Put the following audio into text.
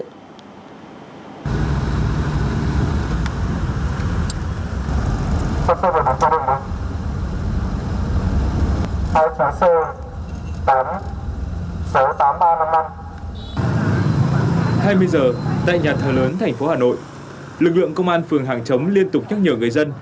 hai mươi giờ tại nhà thờ lớn thành phố hà nội lực lượng công an phường hàng chống liên tục nhắc nhở người dân